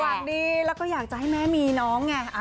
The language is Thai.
หวังดีแล้วก็อยากจะให้แม่มีน้องไง